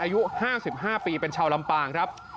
อายุ๕๕ปีเป็นชาวลำปางครับ